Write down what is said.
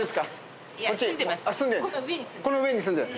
この上に住んでる？